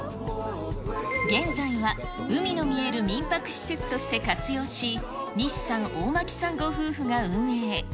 現在は海の見える民泊施設として活用し、西さん、大巻さんご夫婦が運営。